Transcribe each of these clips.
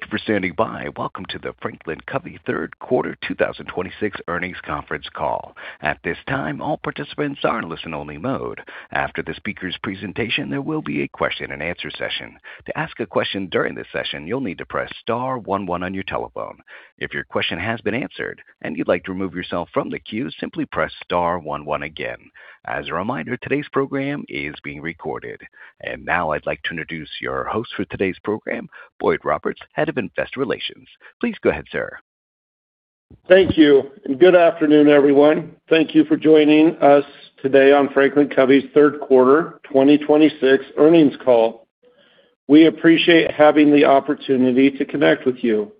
Thank you for standing by. Welcome to the Franklin Covey third quarter 2026 earnings conference call. At this time, all participants are in listen-only mode. After the speaker's presentation, there will be a question-and-answer session. To ask a question during this session, you will need to press star one one on your telephone. If your question has been answered and you would like to remove yourself from the queue, simply press star one one again. As a reminder, today's program is being recorded. Now, I would like to introduce your host for today's program, Boyd Roberts, Head of Investor Relations. Please go ahead, sir. Thank you. Good afternoon, everyone. Thank you for joining us today on Franklin Covey's third quarter 2026 earnings call. We appreciate having the opportunity to connect with you.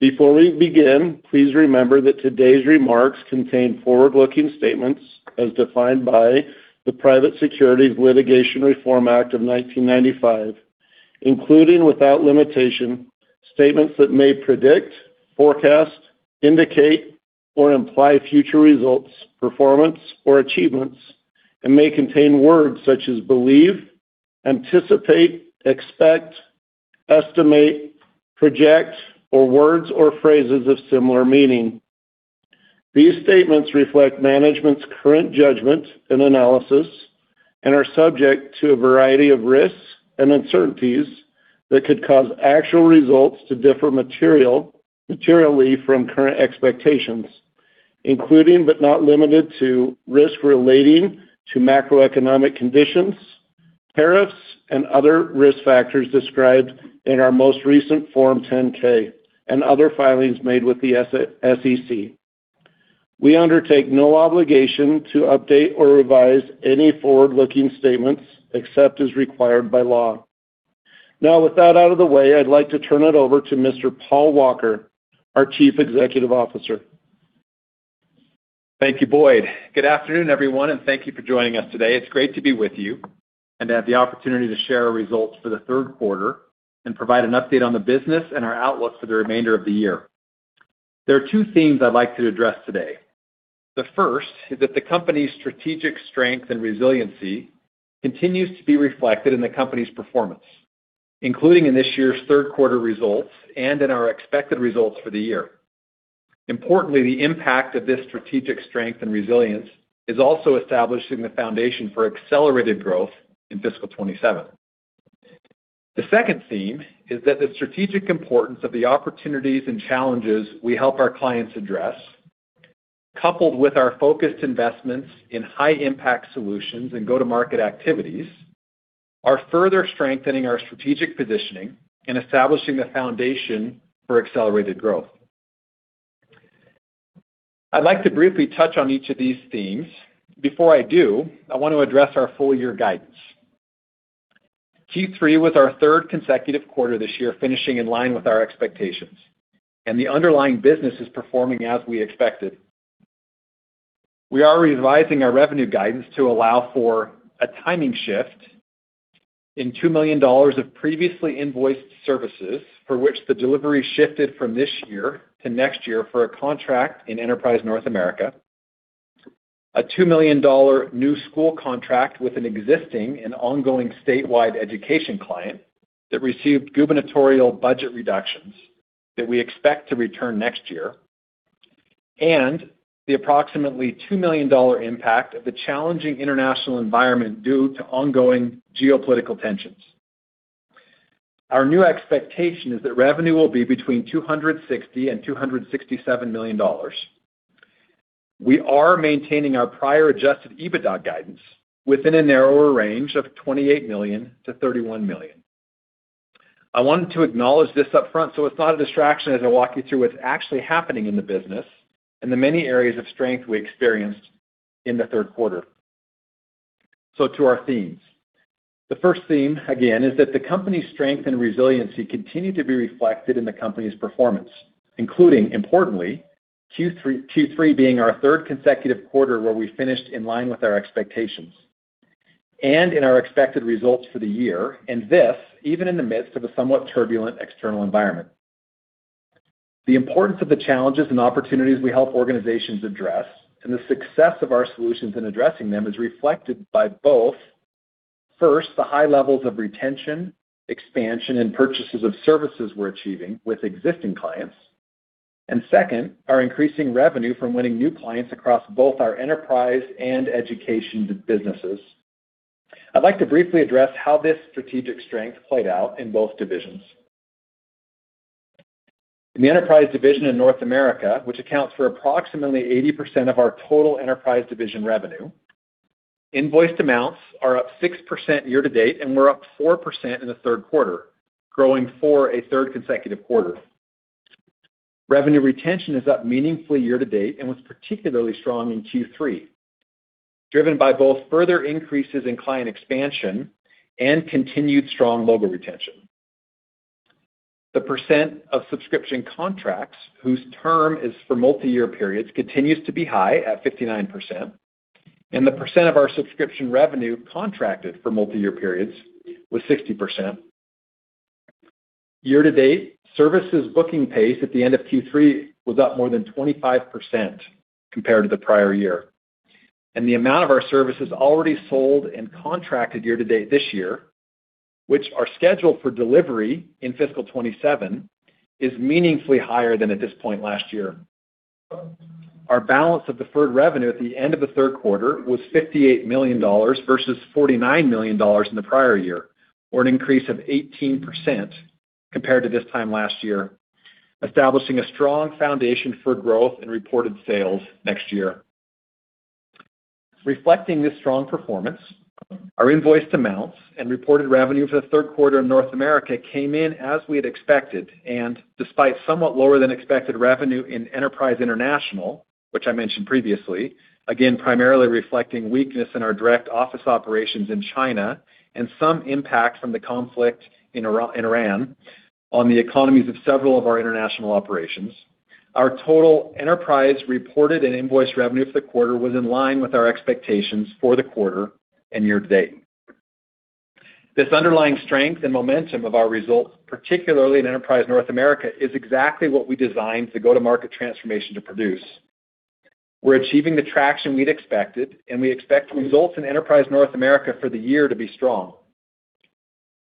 Before we begin, please remember that today's remarks contain forward-looking statements as defined by the Private Securities Litigation Reform Act of 1995, including, without limitation, statements that may predict, forecast, indicate, or imply future results, performance, or achievements and may contain words such as believe, anticipate, expect, estimate, project, or words or phrases of similar meaning. These statements reflect management's current judgment and analysis and are subject to a variety of risks and uncertainties that could cause actual results to differ materially from current expectations, including but not limited to risks relating to macroeconomic conditions, tariffs, and other risk factors described in our most recent Form 10-K and other filings made with the SEC. We undertake no obligation to update or revise any forward-looking statements except as required by law. Now, with that out of the way, I would like to turn it over to Mr. Paul Walker, our Chief Executive Officer. Thank you, Boyd. Good afternoon, everyone. Thank you for joining us today. It is great to be with you and to have the opportunity to share our results for the third quarter and provide an update on the business and our outlook for the remainder of the year. There are two themes I would like to address today. The first is that the company's strategic strength and resiliency continues to be reflected in the company's performance, including in this year's third quarter results and in our expected results for the year. Importantly, the impact of this strategic strength and resilience is also establishing the foundation for accelerated growth in fiscal 2027. The second theme is that the strategic importance of the opportunities and challenges we help our clients address, coupled with our focused investments in high-impact solutions and go-to-market activities, are further strengthening our strategic positioning and establishing the foundation for accelerated growth. I'd like to briefly touch on each of these themes. Before I do, I want to address our full year guidance. Q3 was our third consecutive quarter this year finishing in line with our expectations, and the underlying business is performing as we expected. We are revising our revenue guidance to allow for a timing shift in $2 million of previously invoiced services for which the delivery shifted from this year to next year for a contract in Enterprise North America, a $2 million new school contract with an existing and ongoing statewide education client that received gubernatorial budget reductions that we expect to return next year, and the approximately $2 million impact of the challenging international environment due to ongoing geopolitical tensions. Our new expectation is that revenue will be between $260 million and $267 million. We are maintaining our prior adjusted EBITDA guidance within a narrower range of $28 million-$31 million. I wanted to acknowledge this upfront so it's not a distraction as I walk you through what's actually happening in the business and the many areas of strength we experienced in the third quarter. To our themes. The first theme, again, is that the company's strength and resiliency continue to be reflected in the company's performance, including, importantly, Q3 being our third consecutive quarter where we finished in line with our expectations and in our expected results for the year, and this even in the midst of a somewhat turbulent external environment. The importance of the challenges and opportunities we help organizations address and the success of our solutions in addressing them is reflected by both, first, the high levels of retention, expansion, and purchases of services we're achieving with existing clients. Second, our increasing revenue from winning new clients across both our Enterprise and Education businesses. I'd like to briefly address how this strategic strength played out in both divisions. In the Enterprise Division in North America, which accounts for approximately 80% of our total Enterprise Division revenue, invoiced amounts are up 6% year to date, and were up 4% in the third quarter, growing for a third consecutive quarter. Revenue retention is up meaningfully year to date and was particularly strong in Q3, driven by both further increases in client expansion and continued strong logo retention. The percent of subscription contracts whose term is for multi-year periods continues to be high at 59%, and the percent of our subscription revenue contracted for multi-year periods was 60%. Year to date, services booking pace at the end of Q3 was up more than 25% compared to the prior year. The amount of our services already sold and contracted year to date this year, which are scheduled for delivery in fiscal 2027, is meaningfully higher than at this point last year. Our balance of deferred revenue at the end of the third quarter was $58 million versus $49 million in the prior year, or an increase of 18% compared to this time last year, establishing a strong foundation for growth in reported sales next year. Reflecting this strong performance, our invoiced amounts and reported revenue for the third quarter in North America came in as we had expected. Despite somewhat lower than expected revenue in enterprise international, which I mentioned previously, again, primarily reflecting weakness in our direct office operations in China and some impact from the conflict in Iran on the economies of several of our international operations. Our total enterprise reported and invoiced revenue for the quarter was in line with our expectations for the quarter and year to date. This underlying strength and momentum of our results, particularly in enterprise North America, is exactly what we designed the go-to-market transformation to produce. We're achieving the traction we'd expected, and we expect results in enterprise North America for the year to be strong.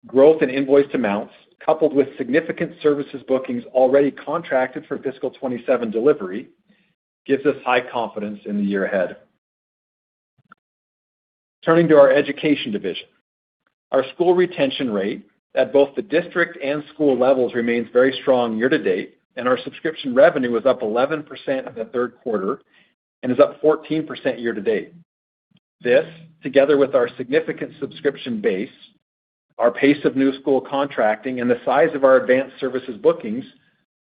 Growth in invoiced amounts, coupled with significant services bookings already contracted for fiscal 2027 delivery, gives us high confidence in the year ahead. Turning to our education division. Our school retention rate at both the district and school levels remains very strong year to date, and our subscription revenue was up 11% in the third quarter and is up 14% year to date. This, together with our significant subscription base, our pace of new school contracting, and the size of our advanced services bookings,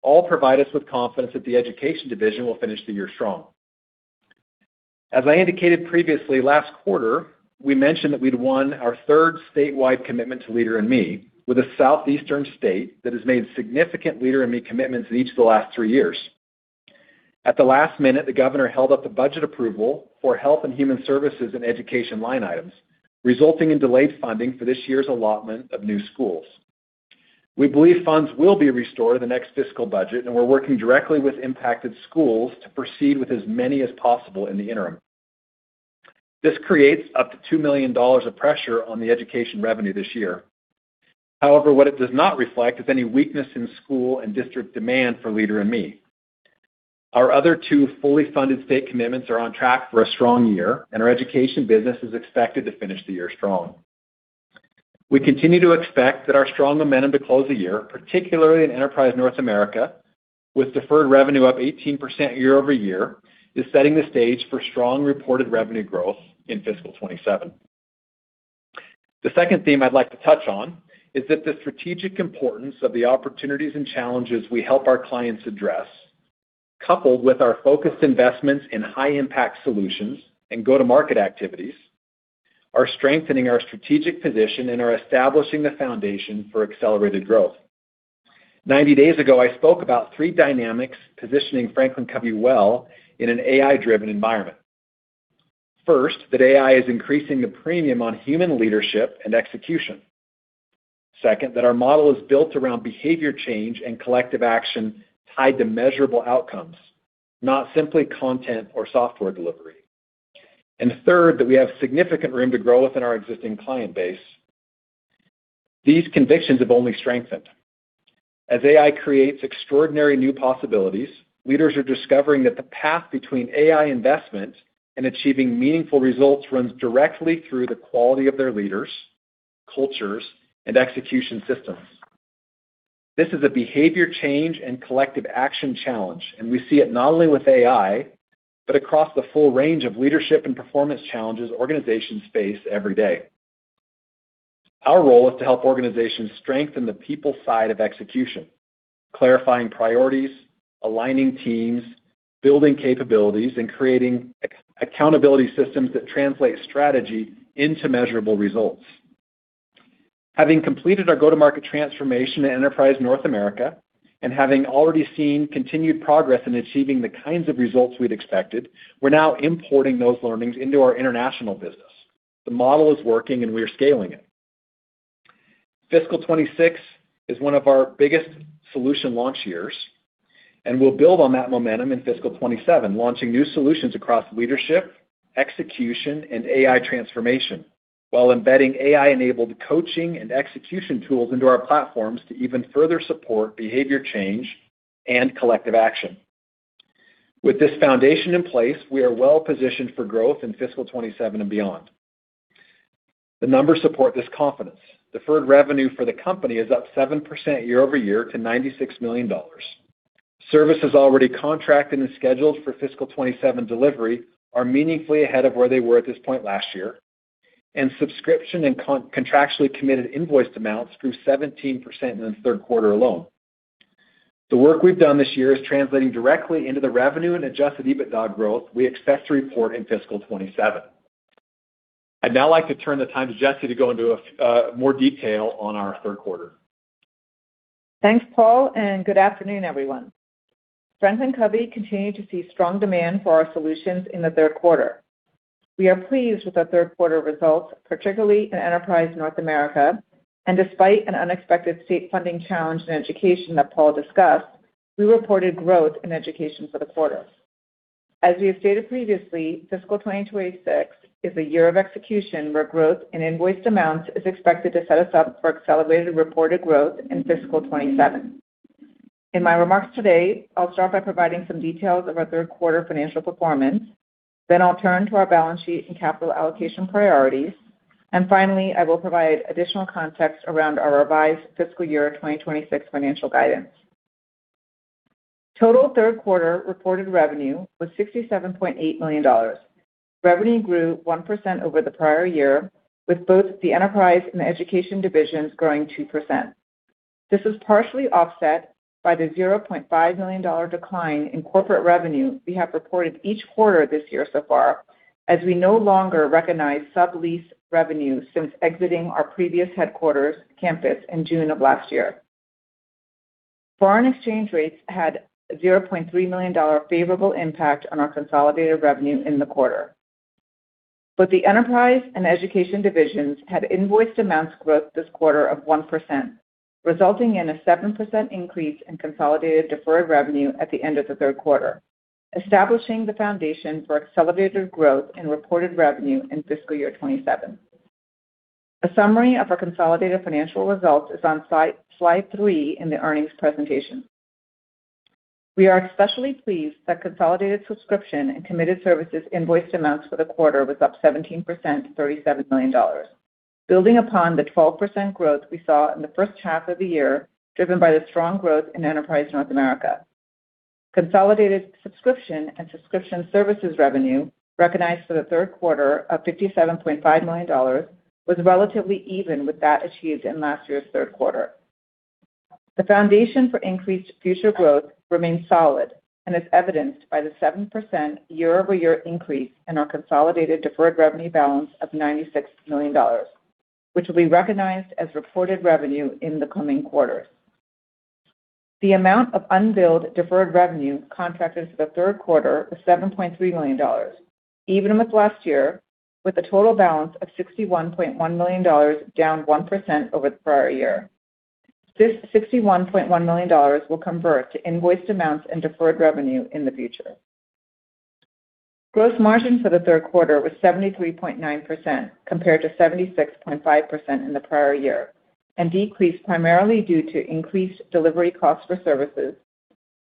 all provide us with confidence that the education division will finish the year strong. As I indicated previously, last quarter, we mentioned that we'd won our third statewide commitment to Leader in Me with a southeastern state that has made significant Leader in Me commitments in each of the last three years. At the last minute, the governor held up the budget approval for health and human services and education line items, resulting in delayed funding for this year's allotment of new schools. We believe funds will be restored in the next fiscal budget, and we're working directly with impacted schools to proceed with as many as possible in the interim. This creates up to $2 million of pressure on the education revenue this year. However, what it does not reflect is any weakness in school and district demand for Leader in Me. Our other two fully funded state commitments are on track for a strong year, and our education business is expected to finish the year strong. We continue to expect that our strong momentum to close the year, particularly in enterprise North America, with deferred revenue up 18% year-over-year, is setting the stage for strong reported revenue growth in fiscal 2027. The second theme I'd like to touch on is that the strategic importance of the opportunities and challenges we help our clients address, coupled with our focused investments in high-impact solutions and go-to-market activities, are strengthening our strategic position and are establishing the foundation for accelerated growth. 90 days ago, I spoke about three dynamics positioning Franklin Covey well in an AI-driven environment. First, that AI is increasing the premium on human leadership and execution. Second, that our model is built around behavior change and collective action tied to measurable outcomes, not simply content or software delivery. Third, that we have significant room to grow within our existing client base. These convictions have only strengthened. As AI creates extraordinary new possibilities, leaders are discovering that the path between AI investment and achieving meaningful results runs directly through the quality of their leaders, cultures, and execution systems. This is a behavior change and collective action challenge, and we see it not only with AI, but across the full range of leadership and performance challenges organizations face every day. Our role is to help organizations strengthen the people side of execution, clarifying priorities, aligning teams, building capabilities, and creating accountability systems that translate strategy into measurable results. Having completed our go-to-market transformation to Enterprise North America and having already seen continued progress in achieving the kinds of results we'd expected, we're now importing those learnings into our international business. The model is working, we are scaling it. fiscal 2026 is one of our biggest solution launch years, we'll build on that momentum in fiscal 2027, launching new solutions across leadership, execution, and AI transformation while embedding AI-enabled coaching and execution tools into our platforms to even further support behavior change and collective action. With this foundation in place, we are well positioned for growth in fiscal 2027 and beyond. The numbers support this confidence. Deferred revenue for the company is up 7% year-over-year to $96 million. Services already contracted and scheduled for fiscal 2027 delivery are meaningfully ahead of where they were at this point last year, subscription and contractually committed invoiced amounts grew 17% in the third quarter alone. The work we've done this year is translating directly into the revenue and adjusted EBITDA growth we expect to report in fiscal 2027. I'd now like to turn the time to Jessi to go into more detail on our third quarter. Thanks, Paul, and good afternoon, everyone. Franklin Covey continued to see strong demand for our solutions in the third quarter. We are pleased with the third quarter results, particularly in Enterprise North America, despite an unexpected state funding challenge in education that Paul discussed. We reported growth in Education for the quarter. As we have stated previously, fiscal 2026 is a year of execution, where growth in invoiced amounts is expected to set us up for accelerated reported growth in fiscal 2027. In my remarks today, I'll start by providing some details of our third quarter financial performance, I'll turn to our balance sheet and capital allocation priorities, finally, I will provide additional context around our revised fiscal year 2026 financial guidance. Total third quarter reported revenue was $67.8 million. Revenue grew 1% over the prior year, with both the Enterprise and Education divisions growing 2%. This was partially offset by the $0.5 million decline in corporate revenue we have reported each quarter this year so far, as we no longer recognize sublease revenue since exiting our previous headquarters campus in June of last year. Foreign exchange rates had a $0.3 million favorable impact on our consolidated revenue in the quarter. Both the Enterprise and education divisions had invoiced amounts growth this quarter of 1%, resulting in a 7% increase in consolidated deferred revenue at the end of the third quarter, establishing the foundation for accelerated growth in reported revenue in fiscal year 27. A summary of our consolidated financial results is on slide three in the earnings presentation. We are especially pleased that consolidated subscription and committed services invoiced amounts for the quarter was up 17% to $37 million, building upon the 12% growth we saw in the first half of the year, driven by the strong growth in Enterprise North America. Consolidated subscription and subscription services revenue recognized for the third quarter of $57.5 million was relatively even with that achieved in last year's third quarter. The foundation for increased future growth remains solid and is evidenced by the 7% year-over-year increase in our consolidated deferred revenue balance of $96 million, which will be recognized as reported revenue in the coming quarters. The amount of unbilled deferred revenue contracted for the third quarter was $7.3 million. Even with last year, with a total balance of $61.1 million, down 1% over the prior year. This $61.1 million will convert to invoiced amounts and deferred revenue in the future. Gross margin for the third quarter was 73.9%, compared to 76.5% in the prior year, decreased primarily due to increased delivery costs for services,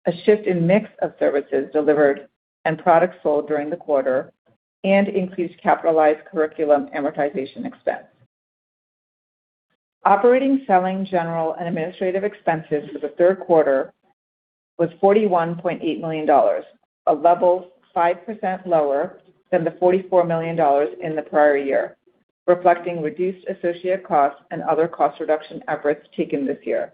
a shift in mix of services delivered and products sold during the quarter, and increased capitalized curriculum amortization expense. Operating, selling, general and administrative expenses for the third quarter was $41.8 million, a level 5% lower than the $44 million in the prior year, reflecting reduced associate costs and other cost-reduction efforts taken this year.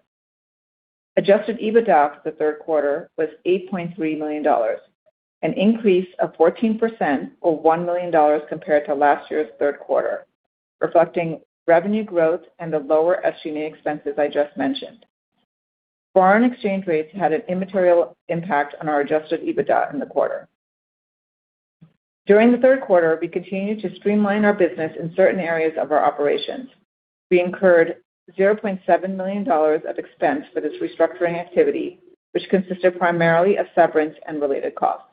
Adjusted EBITDA for the third quarter was $8.3 million, an increase of 14%, or $1 million, compared to last year's third quarter, reflecting revenue growth and the lower SG&A expenses I just mentioned. Foreign exchange rates had an immaterial impact on our adjusted EBITDA in the quarter. During the third quarter, we continued to streamline our business in certain areas of our operations. We incurred $0.7 million of expense for this restructuring activity, which consisted primarily of severance and related costs.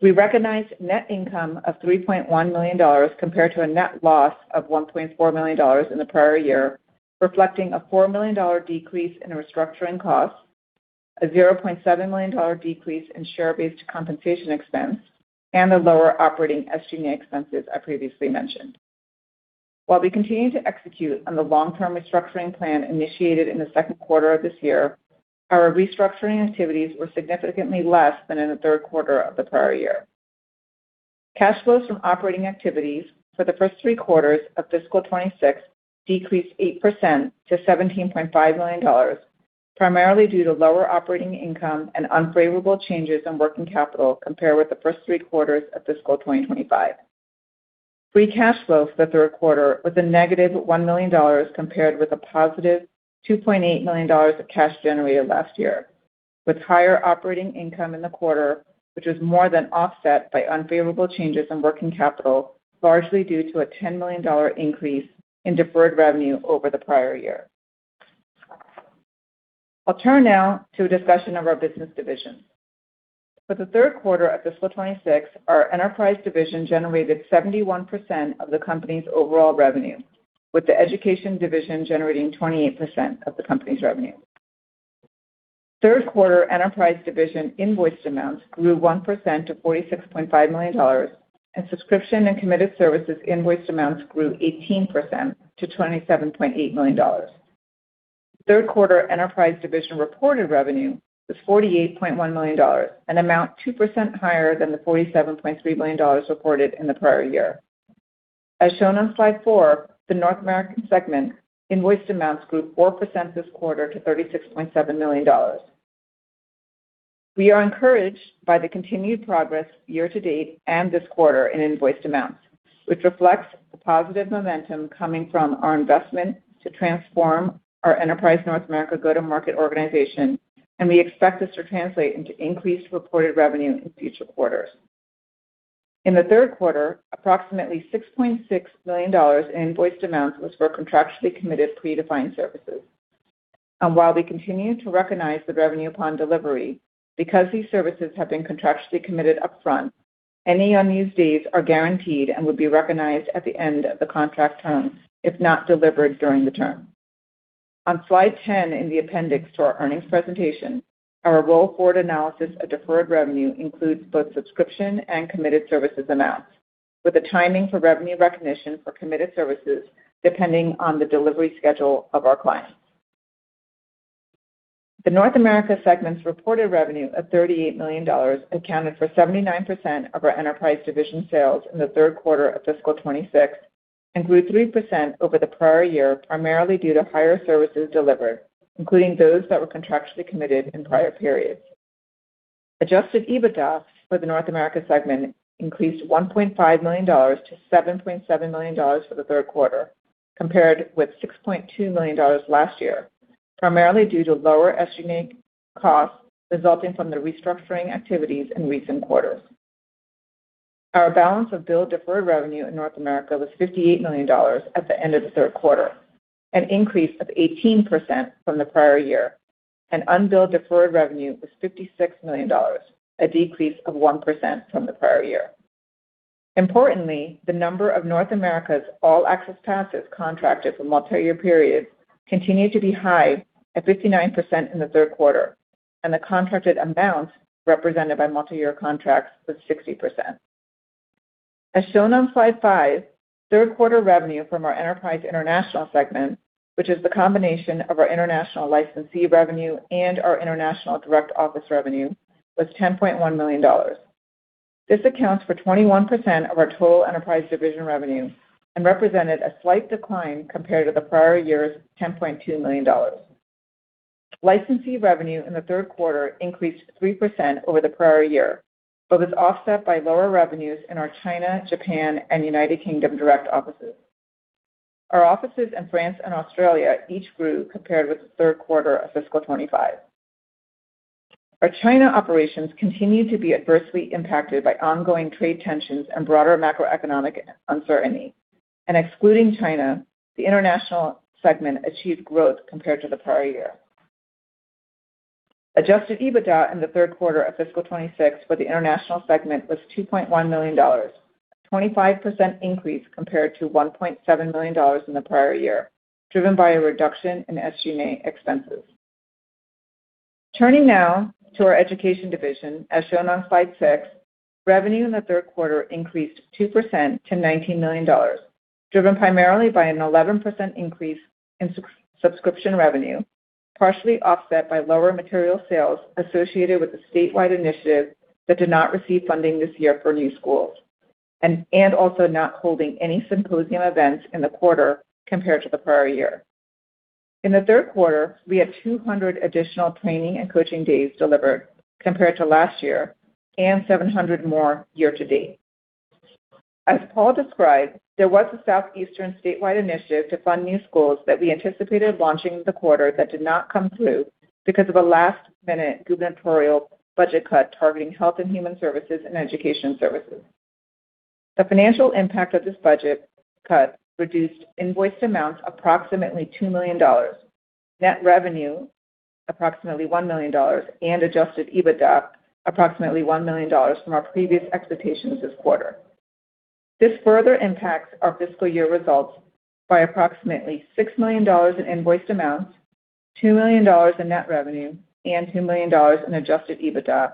We recognized net income of $3.1 million, compared to a net loss of $1.4 million in the prior year, reflecting a $4 million decrease in restructuring costs, a $0.7 million decrease in share-based compensation expense, and the lower operating SG&A expenses I previously mentioned. While we continue to execute on the long-term restructuring plan initiated in the second quarter of this year, our restructuring activities were significantly less than in the third quarter of the prior year. Cash flows from operating activities for the first three quarters of fiscal 2026 decreased 8% to $17.5 million, primarily due to lower operating income and unfavorable changes in working capital compared with the first three quarters of fiscal 2025. Free cash flows for the third quarter was a negative $1 million, compared with a positive $2.8 million of cash generated last year, with higher operating income in the quarter, which was more than offset by unfavorable changes in working capital, largely due to a $10 million increase in deferred revenue over the prior year. I'll turn now to a discussion of our business divisions. For the third quarter of fiscal 2026, our Enterprise Division generated 71% of the company's overall revenue, with the Education Division generating 28% of the company's revenue. Third quarter Enterprise Division invoiced amounts grew 1% to $46.5 million, and subscription and committed services invoiced amounts grew 18% to $27.8 million. Third quarter Enterprise Division reported revenue was $48.1 million, an amount 2% higher than the $47.3 million reported in the prior year. As shown on slide four, the North American segment invoiced amounts grew 4% this quarter to $36.7 million. We are encouraged by the continued progress year-to-date and this quarter in invoiced amounts, which reflects the positive momentum coming from our investment to transform our Enterprise North America go-to-market organization, and we expect this to translate into increased reported revenue in future quarters. In the third quarter, approximately $6.6 million in invoiced amounts was for contractually committed predefined services. While we continue to recognize the revenue upon delivery, because these services have been contractually committed upfront, any unused days are guaranteed and would be recognized at the end of the contract term if not delivered during the term. On slide 10 in the appendix to our earnings presentation, our roll forward analysis of deferred revenue includes both subscription and committed services amounts, with the timing for revenue recognition for committed services depending on the delivery schedule of our clients. The North America segment's reported revenue of $38 million accounted for 79% of our Enterprise Division sales in the third quarter of fiscal 2026 and grew 3% over the prior year, primarily due to higher services delivered, including those that were contractually committed in prior periods. Adjusted EBITDA for the North America segment increased $1.5 million to $7.7 million for the third quarter, compared with $6.2 million last year, primarily due to lower SGA costs resulting from the restructuring activities in recent quarters. Our balance of billed deferred revenue in North America was $58 million at the end of the third quarter, an increase of 18% from the prior year, and unbilled deferred revenue was $56 million, a decrease of 1% from the prior year. Importantly, the number of North America's All Access Passes contracted for multi-year periods continued to be high at 59% in the third quarter, and the contracted amounts represented by multi-year contracts was 60%. As shown on slide five, third quarter revenue from our Enterprise International segment, which is the combination of our international licensee revenue and our international direct office revenue, was $10.1 million. This accounts for 21% of our total Enterprise Division revenue and represented a slight decline compared to the prior year's $10.2 million. Licensee revenue in the third quarter increased 3% over the prior year, but was offset by lower revenues in our China, Japan, and United Kingdom direct offices. Our offices in France and Australia each grew compared with the third quarter of fiscal 2025. Our China operations continued to be adversely impacted by ongoing trade tensions and broader macroeconomic uncertainty. Excluding China, the international segment achieved growth compared to the prior year. Adjusted EBITDA in the third quarter of fiscal 2026 for the international segment was $2.1 million, a 25% increase compared to $1.7 million in the prior year, driven by a reduction in SG&A expenses. Turning now to our Education division, as shown on slide six, revenue in the third quarter increased 2% to $19 million, driven primarily by an 11% increase in subscription revenue, partially offset by lower material sales associated with the statewide initiative that did not receive funding this year for new schools, and also not holding any symposium events in the quarter compared to the prior year. In the third quarter, we had 200 additional training and coaching days delivered compared to last year and 700 more year to date. As Paul described, there was a southeastern statewide initiative to fund new schools that we anticipated launching this quarter that did not come through because of a last-minute gubernatorial budget cut targeting health and human services and education services. The financial impact of this budget cut reduced invoiced amounts approximately $2 million, net revenue approximately $1 million, and adjusted EBITDA approximately $1 million from our previous expectations this quarter. This further impacts our fiscal year results by approximately $6 million in invoiced amounts, $2 million in net revenue, and $2 million in adjusted EBITDA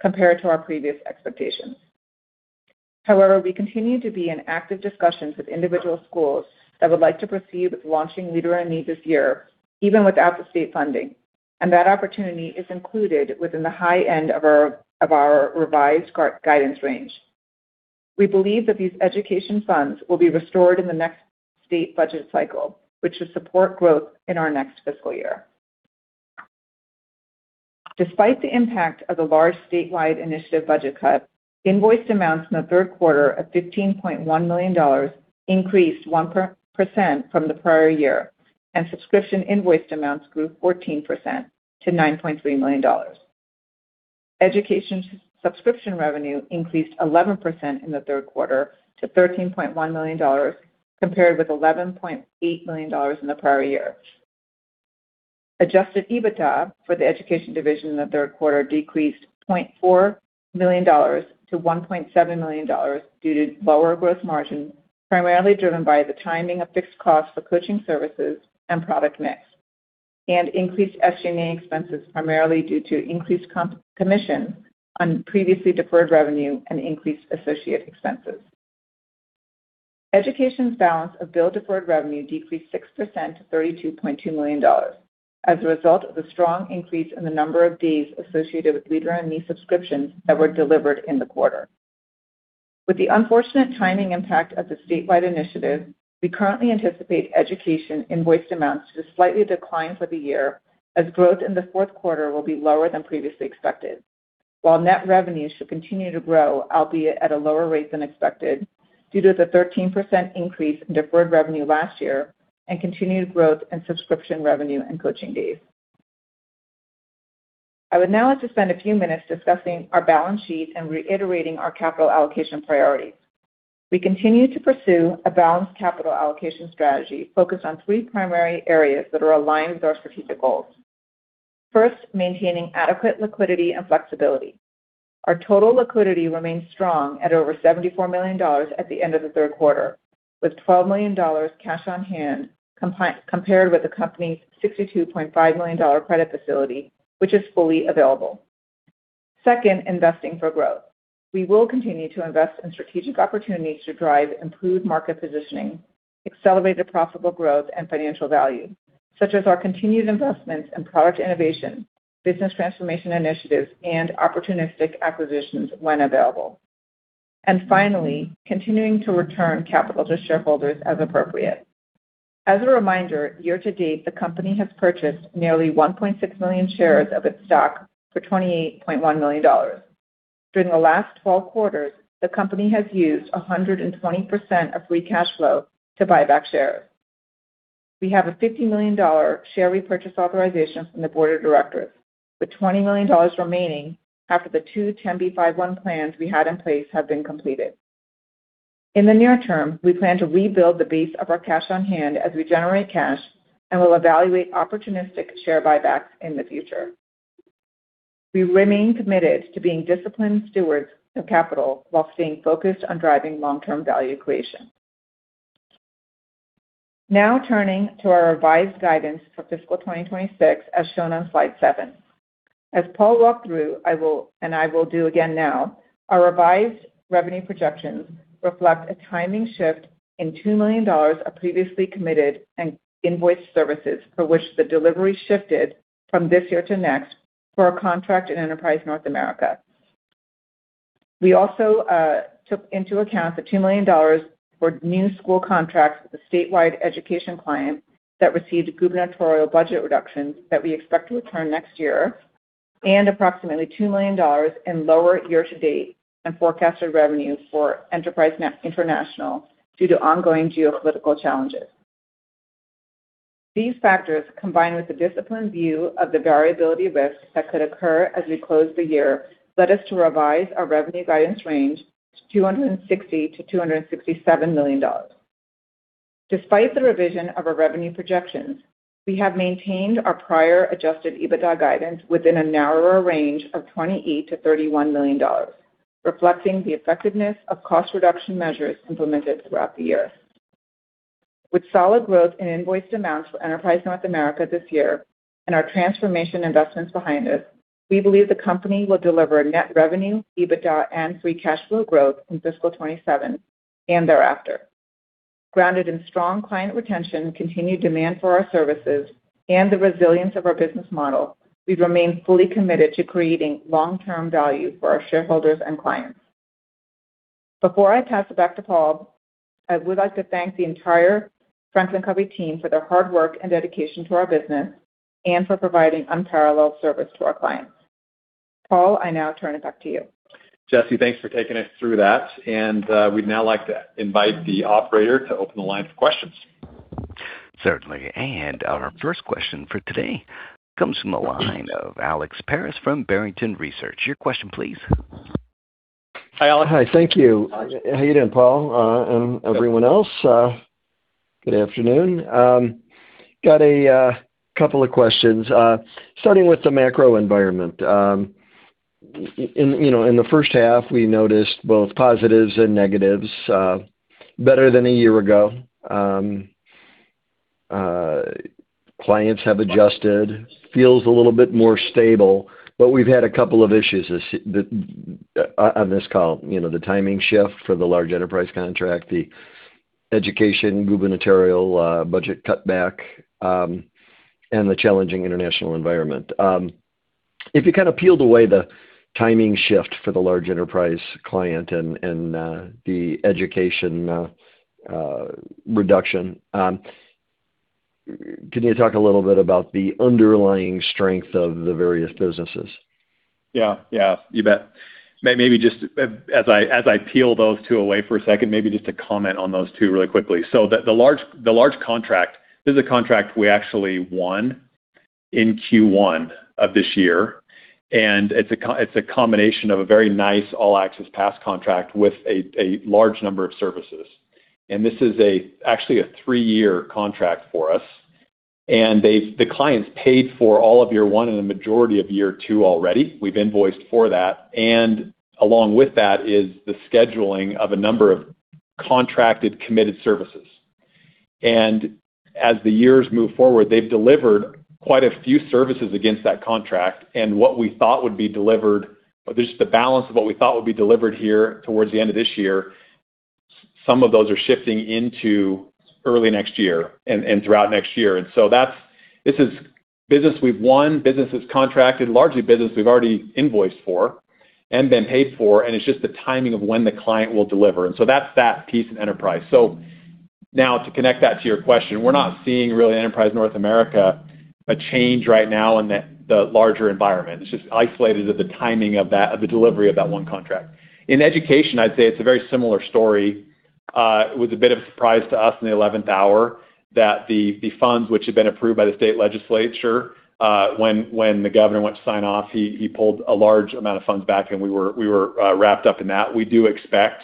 compared to our previous expectations. We continue to be in active discussions with individual schools that would like to proceed with launching Leader in Me this year, even without the state funding, and that opportunity is included within the high end of our revised guidance range. We believe that these education funds will be restored in the next state budget cycle, which will support growth in our next fiscal year. Despite the impact of the large statewide initiative budget cut, invoiced amounts in the third quarter of $15.1 million increased 1% from the prior year, and subscription invoiced amounts grew 14% to $9.3 million. Education subscription revenue increased 11% in the third quarter to $13.1 million, compared with $11.8 million in the prior year. Adjusted EBITDA for the Education division in the third quarter decreased $0.4 million to $1.7 million due to lower gross margin, primarily driven by the timing of fixed costs for coaching services and product mix, and increased SG&A expenses primarily due to increased commission on previously deferred revenue and increased associate expenses. Education's balance of billed deferred revenue decreased 6% to $32.2 million as a result of the strong increase in the number of days associated with Leader in Me subscriptions that were delivered in the quarter. With the unfortunate timing impact of the statewide initiative, we currently anticipate Education invoiced amounts to slightly decline for the year as growth in the fourth quarter will be lower than previously expected. While net revenue should continue to grow, albeit at a lower rate than expected, due to the 13% increase in deferred revenue last year and continued growth in subscription revenue and coaching days. I would now like to spend a few minutes discussing our balance sheet and reiterating our capital allocation priorities. We continue to pursue a balanced capital allocation strategy focused on three primary areas that are aligned with our strategic goals. First, maintaining adequate liquidity and flexibility. Our total liquidity remains strong at over $74 million at the end of the third quarter, with $12 million cash on hand compared with the company's $62.5 million credit facility, which is fully available. Second, investing for growth. We will continue to invest in strategic opportunities to drive improved market positioning, accelerate the profitable growth and financial value, such as our continued investments in product innovation, business transformation initiatives, and opportunistic acquisitions when available. Finally, continuing to return capital to shareholders as appropriate. As a reminder, year to date, the company has purchased nearly 1.6 million shares of its stock for $28.1 million. During the last 12 quarters, the company has used 120% of free cash flow to buy back shares. We have a $50 million share repurchase authorization from the board of directors, with $20 million remaining after the two 10b5-1 plans we had in place have been completed. In the near term, we plan to rebuild the base of our cash on hand as we generate cash and will evaluate opportunistic share buybacks in the future. We remain committed to being disciplined stewards of capital while staying focused on driving long-term value creation. Now turning to our revised guidance for fiscal 2026, as shown on slide seven. As Paul walked through, and I will do again now, our revised revenue projections reflect a timing shift in $2 million of previously committed and invoiced services, for which the delivery shifted from this year to next for our contract in Enterprise North America. We also took into account the $2 million for new school contracts with a statewide Education client that received gubernatorial budget reductions that we expect to return next year, and approximately $2 million in lower year to date and forecasted revenue for Enterprise International due to ongoing geopolitical challenges. These factors, combined with the disciplined view of the variability risks that could occur as we close the year, led us to revise our revenue guidance range to $260 million-$267 million. Despite the revision of our revenue projections, we have maintained our prior adjusted EBITDA guidance within a narrower range of $28 million-$31 million, reflecting the effectiveness of cost reduction measures implemented throughout the year. With solid growth in invoiced amounts for Enterprise North America this year and our transformation investments behind us, we believe the company will deliver net revenue, EBITDA and free cash flow growth in fiscal 2027 and thereafter. Grounded in strong client retention, continued demand for our services, and the resilience of our business model, we remain fully committed to creating long-term value for our shareholders and clients. Before I pass it back to Paul, I would like to thank the entire Franklin Covey team for their hard work and dedication to our business and for providing unparalleled service to our clients. Paul, I now turn it back to you. Jessi, thanks for taking us through that. We'd now like to invite the operator to open the line for questions. Certainly. Our first question for today comes from the line of Alex Paris from Barrington Research. Your question, please. Hi, Alex. Hi. Thank you. How you doing, Paul, and everyone else? Good afternoon. Got a couple of questions, starting with the macro environment. In the first half, we noticed both positives and negatives. Better than a year ago. Clients have adjusted, feels a little bit more stable, but we've had a couple of issues on this call. The timing shift for the large enterprise contract, the education gubernatorial budget cutback, and the challenging international environment. If you kind of peel away the timing shift for the large enterprise client and the education reduction, can you talk a little bit about the underlying strength of the various businesses? Yeah. You bet. Maybe just as I peel those two away for a second, maybe just to comment on those two really quickly. The large contract, this is a contract we actually won in Q1 of this year, and it's a combination of a very nice All Access Pass contract with a large number of services. This is actually a three-year contract for us. The client's paid for all of year one and the majority of year two already. We've invoiced for that. Along with that is the scheduling of a number of contracted, committed services. As the years move forward, they've delivered quite a few services against that contract, and what we thought would be delivered, just the balance of what we thought would be delivered here towards the end of this year, some of those are shifting into early next year and throughout next year. This is business we've won, business that's contracted, largely business we've already invoiced for and been paid for, and it's just the timing of when the client will deliver. That's that piece of Enterprise. Now to connect that to your question, we're not seeing really Enterprise North America a change right now in the larger environment. It's just isolated at the timing of the delivery of that one contract. In education, I'd say it's a very similar story. It was a bit of a surprise to us in the 11th hour that the funds which had been approved by the state legislature, when the governor went to sign off, he pulled a large amount of funds back, and we were wrapped up in that. We do expect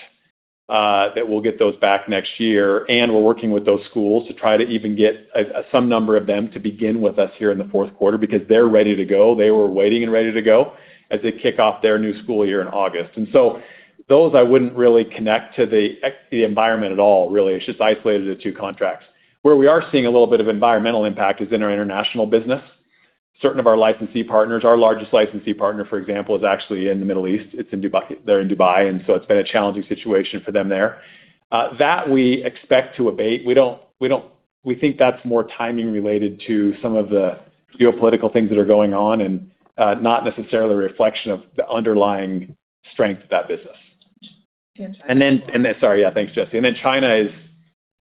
that we'll get those back next year, and we're working with those schools to try to even get some number of them to begin with us here in the fourth quarter because they're ready to go. They were waiting and ready to go as they kick off their new school year in August. Those I wouldn't really connect to the environment at all, really. It's just isolated to two contracts. Where we are seeing a little bit of environmental impact is in our international business. Certain of our licensee partners. Our largest licensee partner, for example, is actually in the Middle East. They're in Dubai, it's been a challenging situation for them there. That we expect to abate. We think that's more timing related to some of the geopolitical things that are going on and not necessarily a reflection of the underlying strength of that business. China as well. Sorry. Yeah. Thanks, Jessi. China,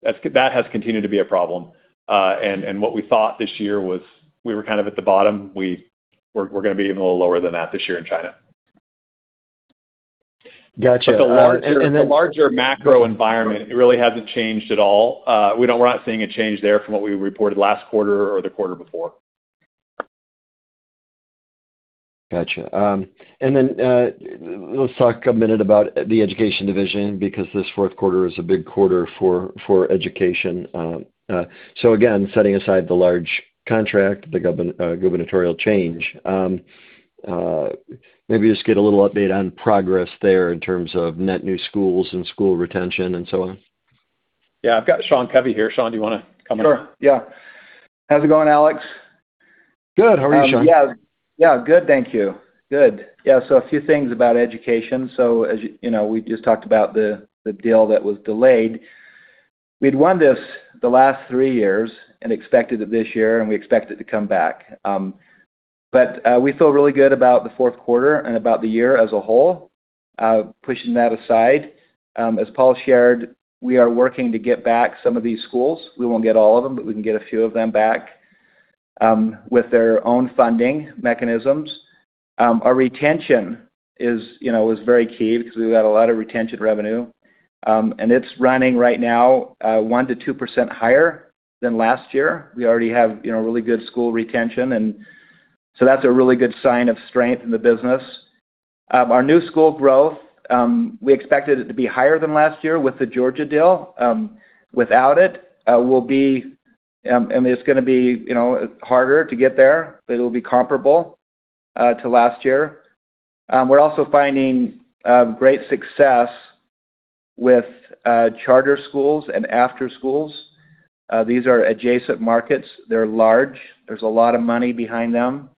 that has continued to be a problem. What we thought this year was we were kind of at the bottom. We're going to be even a little lower than that this year in China. Got you. The larger macro environment, it really hasn't changed at all. We're not seeing a change there from what we reported last quarter or the quarter before. Got you. Let's talk a minute about the Education Division because this fourth quarter is a big quarter for education. Setting aside the large contract, the gubernatorial change, maybe just get a little update on progress there in terms of net new schools and school retention and so on. Yeah. I've got Sean Covey here. Sean, do you want to comment? Sure, yeah. How's it going, Alex? Good. How are you, Sean? Yeah, good. Thank you. Good. A few things about education. As you know, we just talked about the deal that was delayed. We'd won this the last three years and expected it this year, and we expect it to come back. We feel really good about the fourth quarter and about the year as a whole, pushing that aside. As Paul shared, we are working to get back some of these schools. We won't get all of them, but we can get a few of them back with their own funding mechanisms. Our retention is very key because we've got a lot of retention revenue, and it's running right now 1%-2% higher than last year. We already have really good school retention, that's a really good sign of strength in the business. Our new school growth, we expected it to be higher than last year with the Georgia deal. Without it's going to be harder to get there, but it'll be comparable to last year. We're also finding great success with charter schools and after-schools. These are adjacent markets. They're large. There's a lot of money behind them.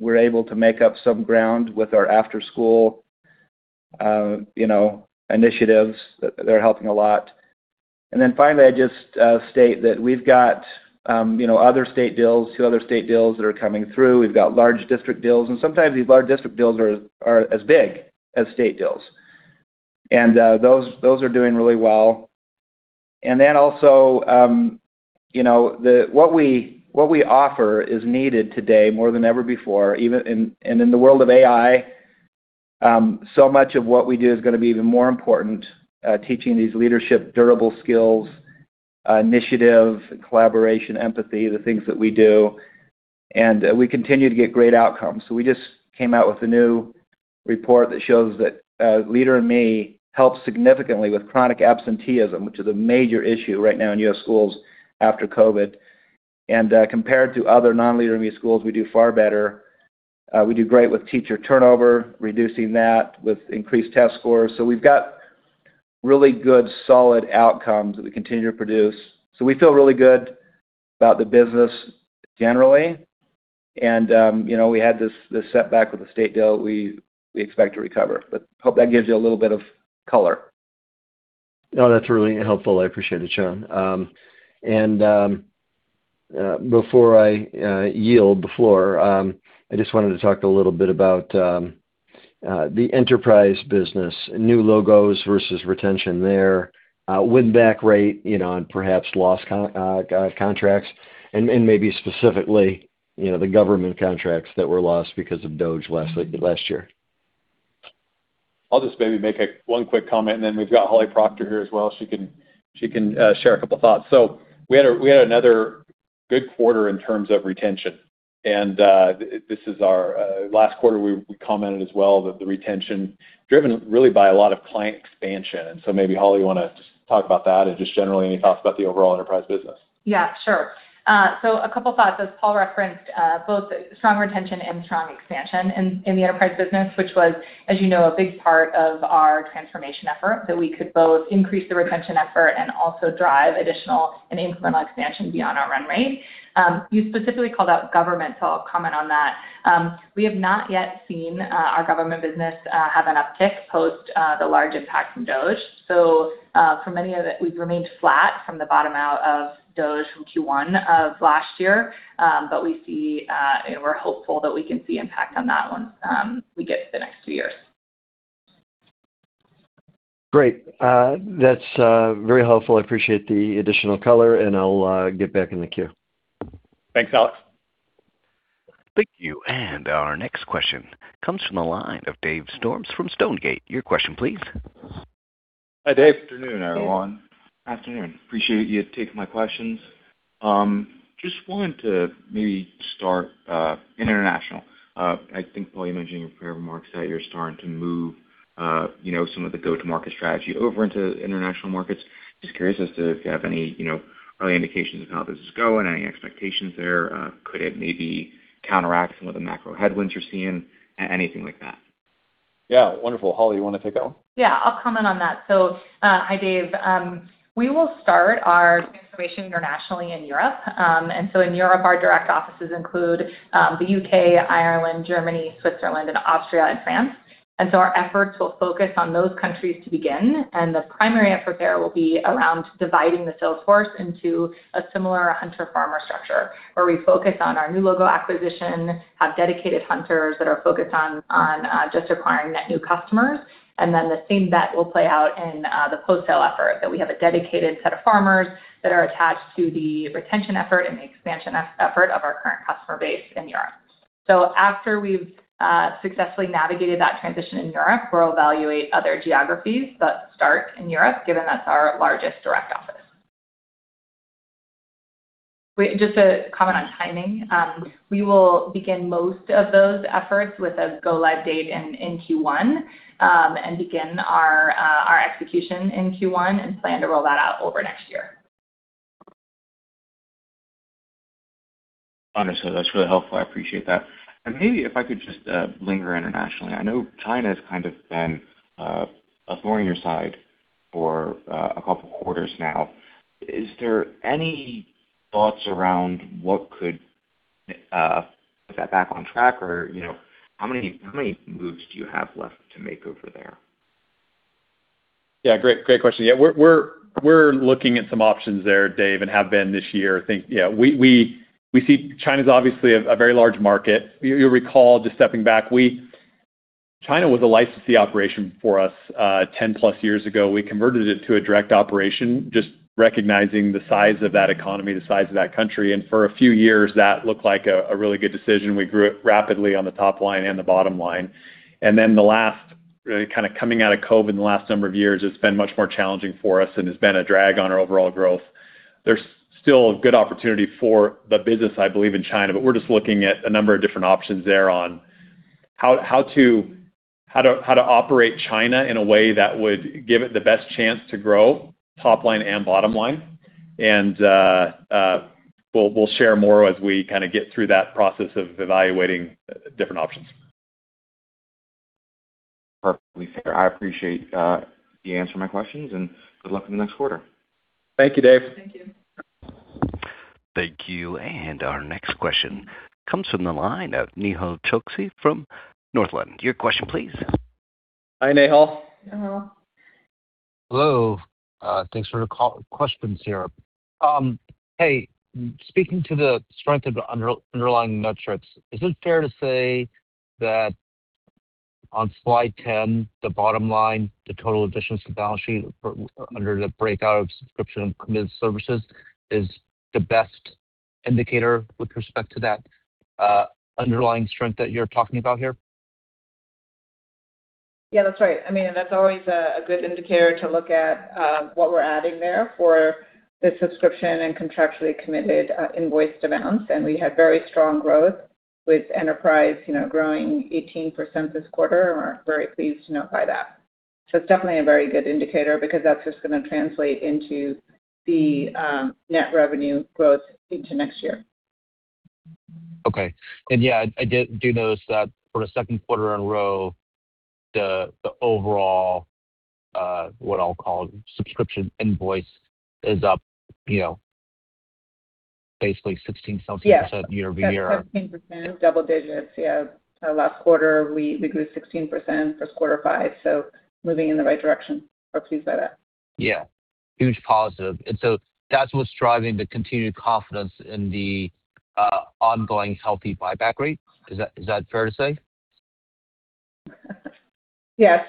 We're able to make up some ground with our after-school initiatives. They're helping a lot. Finally, I just state that we've got two other state deals that are coming through. We've got large district deals, and sometimes these large district deals are as big as state deals. Those are doing really well. What we offer is needed today more than ever before, and in the world of AI, so much of what we do is going to be even more important, teaching these leadership durable skills, initiative, collaboration, empathy, the things that we do. We continue to get great outcomes. We just came out with a new report that shows that Leader in Me helps significantly with chronic absenteeism, which is a major issue right now in U.S. schools after COVID. Compared to other non-Leader in Me schools, we do far better. We do great with teacher turnover, reducing that with increased test scores. We've got really good, solid outcomes that we continue to produce. We feel really good about the business generally. We had this setback with the state deal we expect to recover. Hope that gives you a little bit of color. No, that's really helpful. I appreciate it, Sean. Before I yield the floor, I just wanted to talk a little bit about the enterprise business, new logos versus retention there, win-back rate, and perhaps lost contracts and maybe specifically the government contracts that were lost because of DOGE last year. I'll just maybe make one quick comment, and then we've got Holly Procter here as well. She can share a couple thoughts. We had another good quarter in terms of retention. Last quarter, we commented as well that the retention driven really by a lot of client expansion. Maybe, Holly, you want to just talk about that and just generally any thoughts about the overall enterprise business? Yeah, sure. A couple thoughts as Paul referenced both strong retention and strong expansion in the enterprise business, which was, as you know, a big part of our transformation effort, that we could both increase the retention effort and also drive additional and incremental expansion beyond our run rate. You specifically called out government, so I'll comment on that. We have not yet seen our government business have an uptick post the large impact from DOGE. For many of it, we've remained flat from the bottom out of DOGE from Q1 of last year. We're hopeful that we can see impact on that once we get to the next few years. Great. That's very helpful. I appreciate the additional color. I'll get back in the queue. Thanks, Alex. Thank you. Our next question comes from the line of Dave Storms from Stonegate. Your question, please. Hi, Dave. Afternoon, everyone. Afternoon. Appreciate you taking my questions. Just wanted to maybe start international. Paul, you mentioned in your prepared remarks that you're starting to move some of the go-to-market strategy over into international markets. Just curious as to if you have any early indications of how this is going, any expectations there? Could it maybe counteract some of the macro headwinds you're seeing? Anything like that. Yeah, wonderful. Holly, you want to take that one? Yeah, I'll comment on that. Hi, Dave. We will start our transformation internationally in Europe. In Europe, our direct offices include the U.K., Ireland, Germany, Switzerland, Austria, and France. Our efforts will focus on those countries to begin, and the primary effort there will be around dividing the sales force into a similar hunter/farmer structure, where we focus on our new logo acquisition, have dedicated hunters that are focused on just acquiring net new customers. Then the same bet will play out in the post-sale effort, that we have a dedicated set of farmers that are attached to the retention effort and the expansion effort of our current customer base in Europe. After we've successfully navigated that transition in Europe, we'll evaluate other geographies. Start in Europe, given that's our largest direct office. Just to comment on timing, we will begin most of those efforts with a go-live date in Q1, and begin our execution in Q1, and plan to roll that out over next year. Understood. That's really helpful. I appreciate that. Maybe if I could just linger internationally. I know China has kind of been a thorn in your side for a couple of quarters now. Is there any thoughts around what could put that back on track, or how many moves do you have left to make over there? Yeah, great question. We're looking at some options there, Dave, and have been this year. China's obviously a very large market. You'll recall, just stepping back, China was a licensee operation for us 10+ years ago. We converted it to a direct operation, just recognizing the size of that economy, the size of that country. For a few years, that looked like a really good decision. We grew it rapidly on the top line and the bottom line. Really kind of coming out of COVID in the last number of years, it's been much more challenging for us, and has been a drag on our overall growth. There's still a good opportunity for the business, I believe, in China, but we're just looking at a number of different options there on how to operate China in a way that would give it the best chance to grow, top line and bottom line. We'll share more as we get through that process of evaluating different options. Perfectly fair. I appreciate you answering my questions. Good luck in the next quarter. Thank you, Dave. Thank you. Thank you. Our next question comes from the line of Nehal Chokshi from Northland. Your question, please. Hi, Nehal. Nehal. Hello. Thanks for the questions here. Speaking to the strength of underlying metrics, is it fair to say that on slide 10, the bottom line, the total additions to the balance sheet under the breakout of subscription and committed services is the best indicator with respect to that underlying strength that you're talking about here? Yeah, that's right. That's always a good indicator to look at what we're adding there for the subscription and contractually committed invoiced amounts. We had very strong growth with Enterprise growing 18% this quarter, and we're very pleased to notify that. It's definitely a very good indicator because that's just going to translate into the net revenue growth into next year. Okay. Yeah, I did notice that for the second quarter in a row, the overall, what I will call subscription invoice is up basically 16-something percent year-over-year. Yes. Up 16%, double digits, yeah. Last quarter, we grew 16% for quarter five, moving in the right direction. We are pleased by that. Yeah. Huge positive. That is what is driving the continued confidence in the ongoing healthy buyback rate. Is that fair to say? Yeah.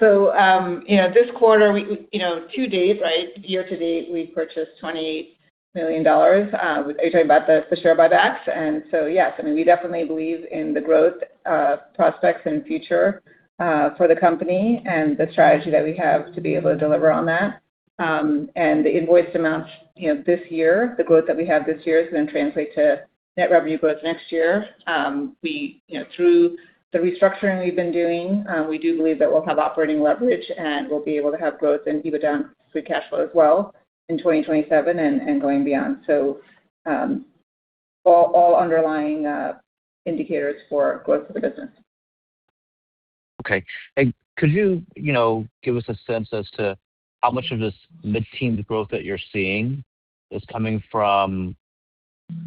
This quarter, to date, year-to-date, we purchased $28 million. You are talking about the share buybacks. Yes, we definitely believe in the growth prospects and future for the company and the strategy that we have to be able to deliver on that. The invoiced amounts this year, the growth that we have this year is going to translate to net revenue growth next year. Through the restructuring we have been doing, we do believe that we will have operating leverage, and we will be able to have growth in EBITDA and free cash flow as well in 2027 and going beyond. All underlying indicators for growth of the business. Okay. Could you give us a sense as to how much of this mid-teens growth that you're seeing is coming from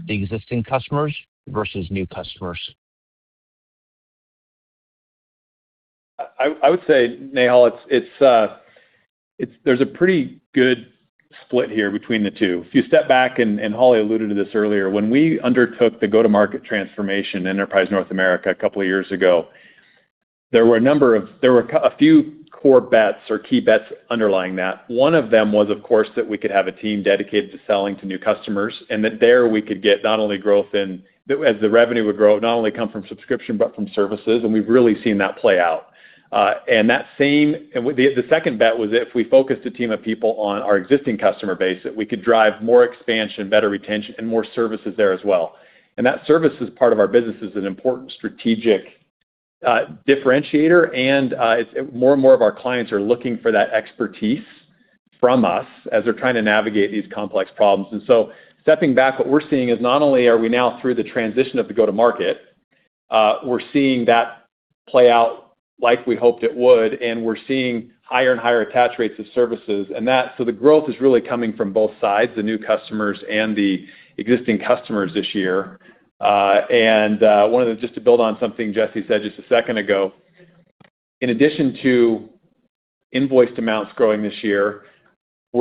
the existing customers versus new customers? I would say, Nehal, there's a pretty good split here between the two. If you step back, Holly alluded to this earlier, when we undertook the go-to-market transformation Enterprise North America a couple of years ago. There were a few core bets or key bets underlying that. One of them was, of course, that we could have a team dedicated to selling to new customers, and that there we could get not only growth as the revenue would grow, not only come from subscription but from services, and we've really seen that play out. The second bet was if we focused a team of people on our existing customer base, that we could drive more expansion, better retention, and more services there as well. That services part of our business is an important strategic differentiator and more and more of our clients are looking for that expertise from us as they're trying to navigate these complex problems. Stepping back, what we're seeing is not only are we now through the transition of the go-to-market, we're seeing that play out like we hoped it would, and we're seeing higher and higher attach rates of services. The growth is really coming from both sides, the new customers and the existing customers this year. I wanted just to build on something Jessi said just a second ago. In addition to invoiced amounts growing this year, I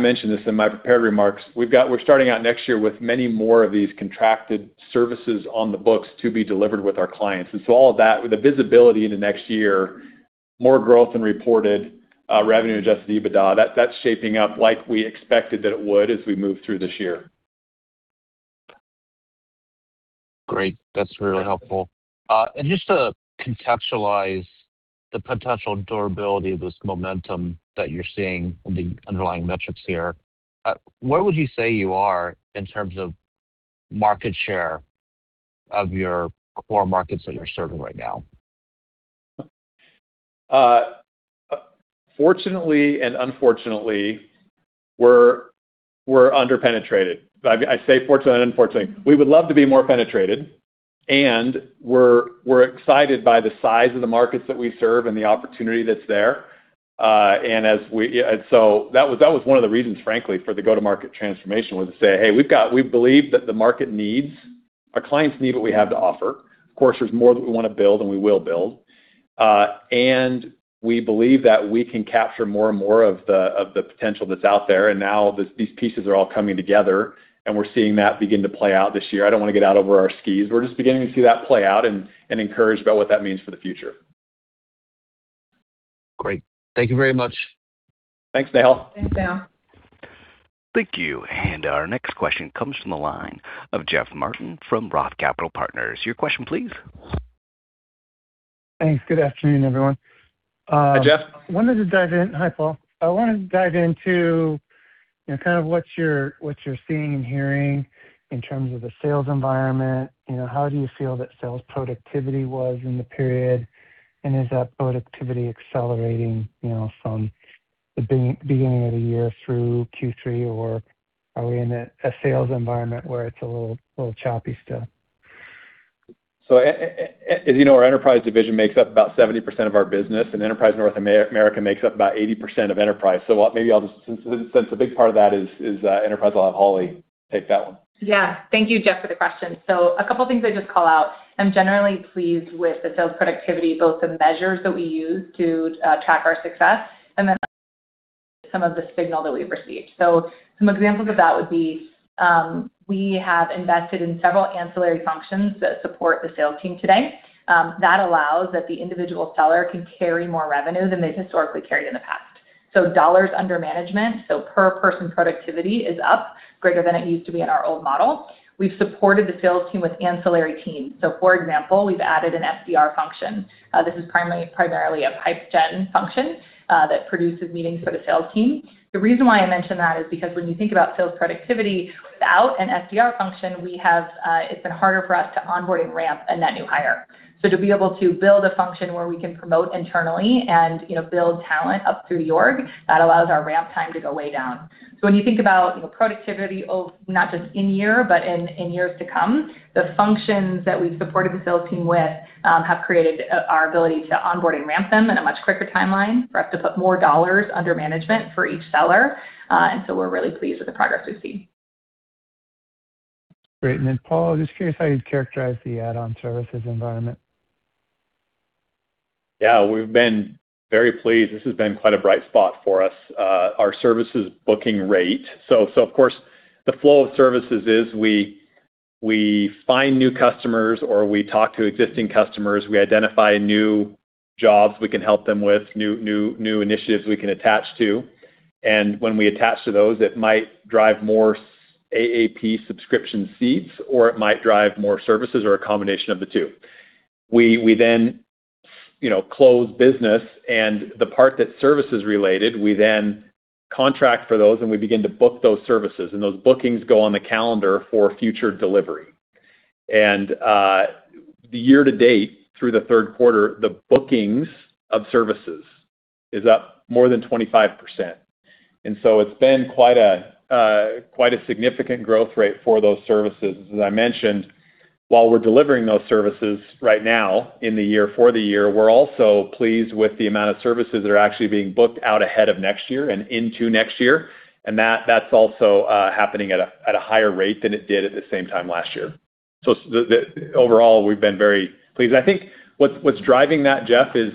mentioned this in my prepared remarks, we're starting out next year with many more of these contracted services on the books to be delivered with our clients. All of that, with the visibility into next year, more growth and reported revenue, adjusted EBITDA, that's shaping up like we expected that it would as we move through this year. Great. That's really helpful. Just to contextualize the potential durability of this momentum that you're seeing in the underlying metrics here, where would you say you are in terms of market share of your core markets that you're serving right now? Fortunately and unfortunately, we're under-penetrated. I say fortunately and unfortunately. We would love to be more penetrated, and we're excited by the size of the markets that we serve and the opportunity that's there. That was one of the reasons, frankly, for the go-to-market transformation was to say, "Hey, we believe that our clients need what we have to offer." Of course, there's more that we want to build and we will build. We believe that we can capture more and more of the potential that's out there, and now these pieces are all coming together and we're seeing that begin to play out this year. I don't want to get out over our skis. We're just beginning to see that play out and encouraged by what that means for the future. Great. Thank you very much. Thanks, Nehal. Thanks, Nehal. Thank you. Our next question comes from the line of Jeff Martin from Roth Capital Partners. Your question, please. Thanks. Good afternoon, everyone. Hi, Jeff. Hi, Paul. I wanted to dive into kind of what you're seeing and hearing in terms of the sales environment. How do you feel that sales productivity was in the period, and is that productivity accelerating from the beginning of the year through Q3, or are we in a sales environment where it's a little choppy still? As you know, our enterprise division makes up about 70% of our business, and enterprise North America makes up about 80% of enterprise. Since a big part of that is enterprise, I'll have Holly take that one. Yeah. Thank you, Jeff, for the question. A couple things I'd just call out. I'm generally pleased with the sales productivity, both the measures that we use to track our success, and then some of the signal that we've received. Some examples of that would be we have invested in several ancillary functions that support the sales team today. That allows that the individual seller can carry more revenue than they've historically carried in the past. Dollars under management, so per person productivity is up greater than it used to be in our old model. We've supported the sales team with ancillary teams. For example, we've added an SDR function. This is primarily a pipe gen function that produces meetings for the sales team. The reason why I mention that is because when you think about sales productivity, without an SDR function, it's been harder for us to onboard and ramp a net new hire. To be able to build a function where we can promote internally and build talent up through the org, that allows our ramp time to go way down. When you think about productivity, not just in year but in years to come, the functions that we've supported the sales team with have created our ability to onboard and ramp them in a much quicker timeline for us to put more dollars under management for each seller. We're really pleased with the progress we've seen. Great. Paul, just curious how you'd characterize the add-on services environment. Yeah, we've been very pleased. This has been quite a bright spot for us. Our services booking rate. Of course, the flow of services is we find new customers or we talk to existing customers, we identify new jobs we can help them with, new initiatives we can attach to. When we attach to those, it might drive more AAP subscription seats, or it might drive more services, or a combination of the two. We then close business and the part that's services related, we then contract for those and we begin to book those services, and those bookings go on the calendar for future delivery. The year to date, through the third quarter, the bookings of services is up more than 25%. It's been quite a significant growth rate for those services. As I mentioned, while we're delivering those services right now in the year, for the year, we're also pleased with the amount of services that are actually being booked out ahead of next year and into next year. That's also happening at a higher rate than it did at the same time last year. Overall, we've been very pleased. I think what's driving that, Jeff, is,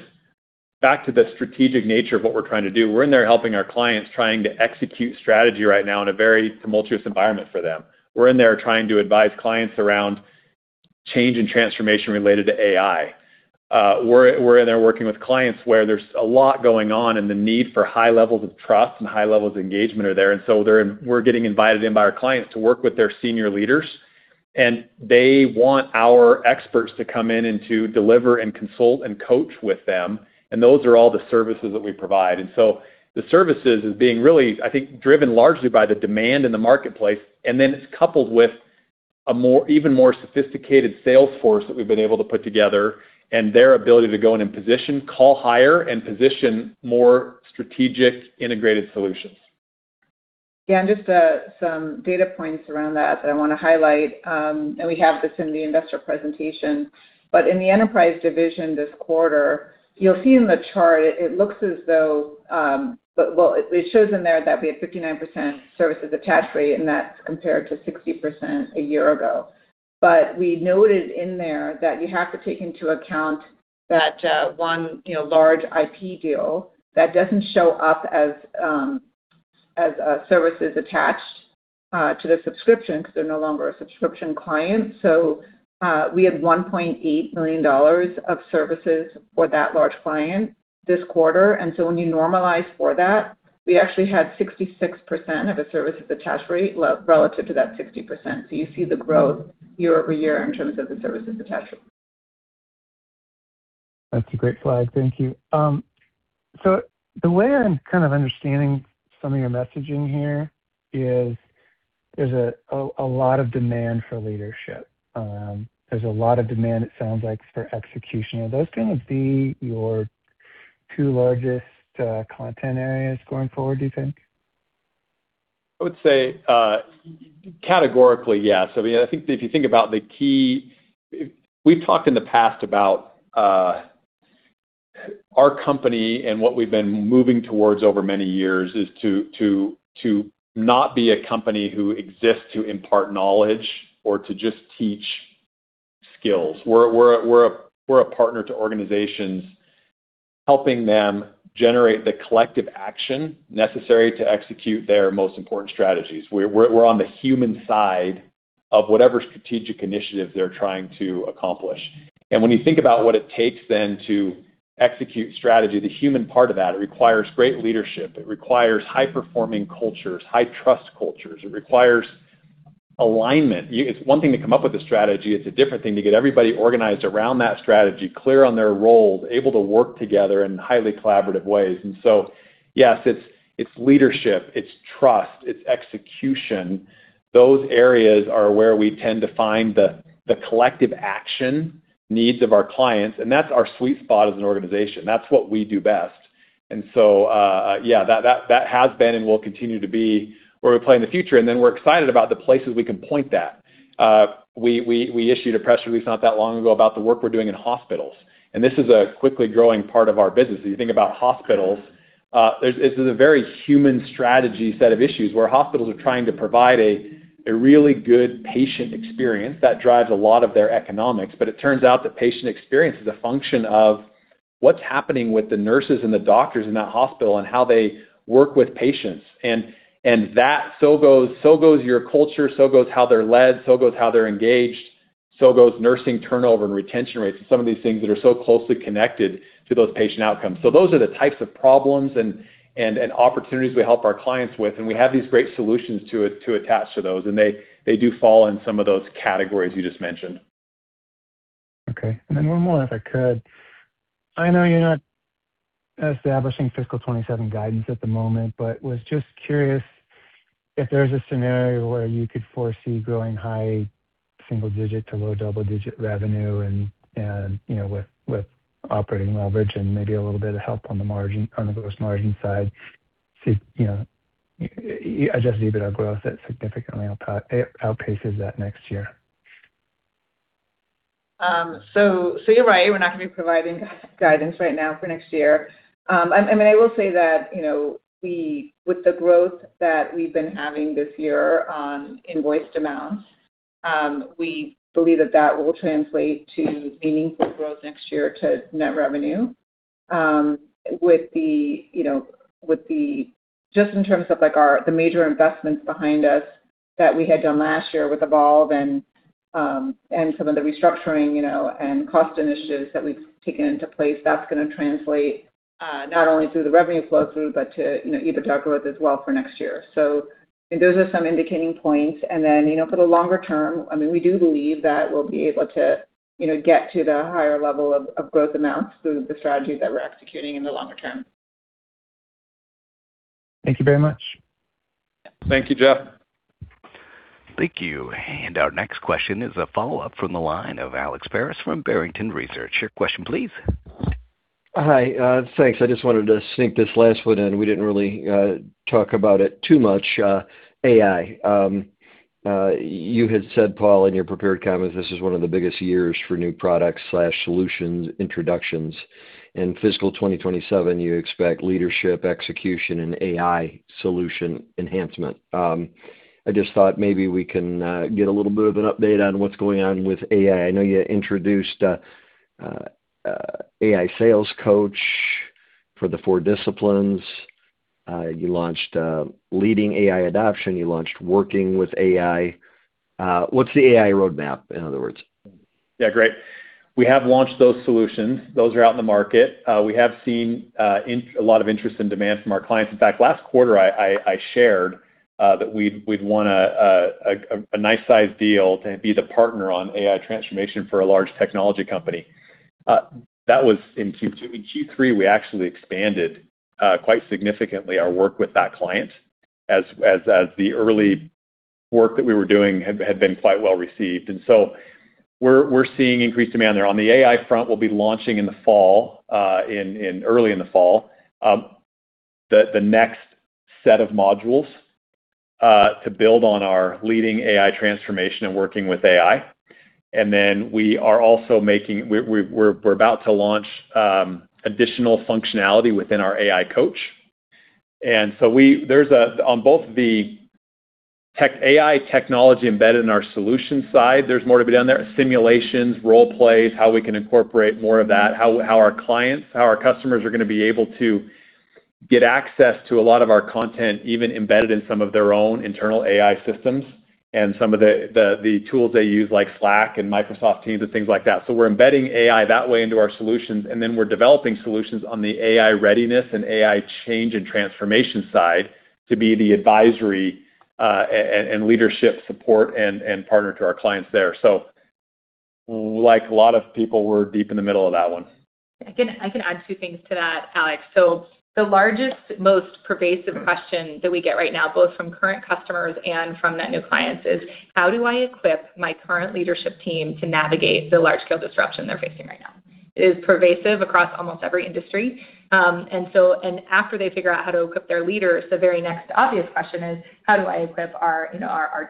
back to the strategic nature of what we're trying to do. We're in there helping our clients, trying to execute strategy right now in a very tumultuous environment for them. We're in there trying to advise clients around change and transformation related to AI. We're in there working with clients where there's a lot going on, and the need for high levels of trust and high levels of engagement are there. We're getting invited in by our clients to work with their senior leaders, and they want our experts to come in and to deliver and consult and coach with them, and those are all the services that we provide. The services is being really, I think, driven largely by the demand in the marketplace, and then it's coupled with an even more sophisticated sales force that we've been able to put together, and their ability to go in and position, call higher and position more strategic integrated solutions. Yeah. Just some data points around that I want to highlight, and we have this in the investor presentation. In the Enterprise Division this quarter, you'll see in the chart. Well, it shows in there that we had 59% services attach rate, and that's compared to 60% a year ago. We noted in there that you have to take into account that one large IP deal, that doesn't show up as services attached to the subscription because they're no longer a subscription client. We had $1.8 million of services for that large client this quarter. When you normalize for that, we actually had 66% of a service attach rate relative to that 60%. You see the growth year-over-year in terms of the services attach rate. That's a great slide. Thank you. The way I'm kind of understanding some of your messaging here is there's a lot of demand for leadership. There's a lot of demand, it sounds like, for execution. Are those going to be your two largest content areas going forward, do you think? I would say, categorically, yes. We've talked in the past about our company and what we've been moving towards over many years is to not be a company who exists to impart knowledge or to just teach skills. We're a partner to organizations, helping them generate the collective action necessary to execute their most important strategies. We're on the human side of whatever strategic initiative they're trying to accomplish. When you think about what it takes then to execute strategy, the human part of that, it requires great leadership. It requires high-performing cultures, high-trust cultures. It requires alignment. It's one thing to come up with a strategy, it's a different thing to get everybody organized around that strategy, clear on their role, able to work together in highly collaborative ways. Yes, it's leadership, it's trust, it's execution. Those areas are where we tend to find the collective action needs of our clients, and that's our sweet spot as an organization. That's what we do best. Yeah, that has been and will continue to be where we play in the future. We're excited about the places we can point that. We issued a press release not that long ago about the work we're doing in hospitals, and this is a quickly growing part of our business. If you think about hospitals, this is a very human strategy set of issues, where hospitals are trying to provide a really good patient experience. That drives a lot of their economics. It turns out that patient experience is a function of what's happening with the nurses and the doctors in that hospital and how they work with patients. Your culture, so goes how they're led, so goes how they're engaged, so goes nursing turnover and retention rates, and some of these things that are so closely connected to those patient outcomes. Those are the types of problems and opportunities we help our clients with, and we have these great solutions to attach to those, and they do fall in some of those categories you just mentioned. Okay. One more, if I could. I know you're not establishing fiscal 2027 guidance at the moment, but was just curious if there's a scenario where you could foresee growing high single-digit to low double-digit revenue and with operating leverage and maybe a little bit of help on the gross margin side to adjust EBITDA growth that significantly outpaces that next year. You're right. We're not going to be providing guidance right now for next year. I mean, I will say that with the growth that we've been having this year on invoiced amounts, we believe that that will translate to meaningful growth next year to net revenue. Just in terms of the major investments behind us that we had done last year with Evolve and some of the restructuring, and cost initiatives that we've taken into place, that's going to translate not only through the revenue flow through, but to EBITDA growth as well for next year. Those are some indicating points. For the longer term, we do believe that we'll be able to get to the higher level of growth amounts through the strategies that we're executing in the longer term. Thank you very much. Thank you, Jeff. Thank you. Our next question is a follow-up from the line of Alex Paris from Barrington Research. Your question, please. Hi. Thanks. I just wanted to sneak this last one in. We didn't really talk about it too much, AI. You had said, Paul, in your prepared comments, this is one of the biggest years for new product/solution introductions. In fiscal 2027, you expect leadership execution and AI solution enhancement. I just thought maybe we can get a little bit of an update on what's going on with AI. I know you introduced AI Sales Coach for the 4 Disciplines, you launched Leading AI Adoption, you launched Working With AI. What's the AI roadmap, in other words? Yeah, great. We have launched those solutions. Those are out in the market. We have seen a lot of interest and demand from our clients. In fact, last quarter, I shared that we'd won a nice-sized deal to be the partner on AI transformation for a large technology company. That was in Q2. In Q3, we actually expanded quite significantly our work with that client, as the early work that we were doing had been quite well-received. So we're seeing increased demand there. On the AI front, we'll be launching early in the fall the next set of modules to build on our Leading AI Adoption and Working With AI. Then we're about to launch additional functionality within our AI Coach. So on both the AI technology embedded in our solutions side, there's more to be done there. Simulations, role plays, how we can incorporate more of that, how our customers are going to be able to get access to a lot of our content, even embedded in some of their own internal AI systems and some of the tools they use like Slack and Microsoft Teams and things like that. We're embedding AI that way into our solutions, and then we're developing solutions on the AI readiness and AI change and transformation side to be the advisory and leadership support and partner to our clients there. Like a lot of people, we're deep in the middle of that one. I can add two things to that, Alex. The largest, most pervasive question that we get right now, both from current customers and from the new clients, is how do I equip my current leadership team to navigate the large-scale disruption they're facing right now? It is pervasive across almost every industry. After they figure out how to equip their leaders, the very next obvious question is, how do I equip our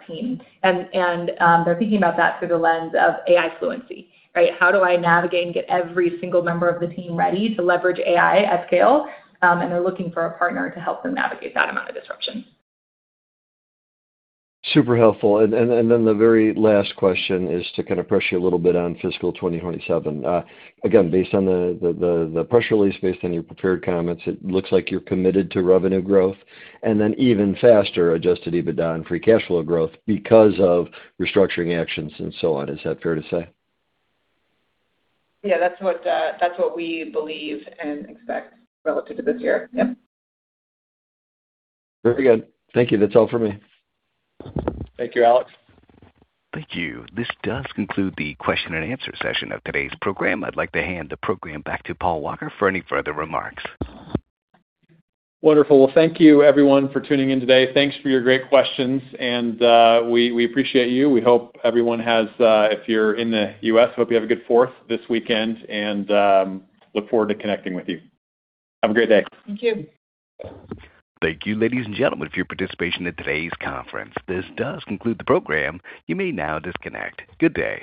team? They're thinking about that through the lens of AI fluency, right? How do I navigate and get every single member of the team ready to leverage AI at scale? They're looking for a partner to help them navigate that amount of disruption. Super helpful. Then the very last question is to kind of press you a little bit on fiscal 2027. Again, based on the press release, based on your prepared comments, it looks like you're committed to revenue growth and an even faster adjusted EBITDA and free cash flow growth because of restructuring actions and so on. Is that fair to say? Yeah, that's what we believe and expect relative to this year. Yep. Very good. Thank you. That's all for me. Thank you, Alex. Thank you. This does conclude the question and answer session of today's program. I'd like to hand the program back to Paul Walker for any further remarks. Wonderful. Well, thank you everyone for tuning in today. Thanks for your great questions, and we appreciate you. We hope everyone has, if you're in the U.S., hope you have a good Fourth this weekend, and look forward to connecting with you. Have a great day. Thank you. Thank you, ladies and gentlemen, for your participation in today's conference. This does conclude the program. You may now disconnect. Good day.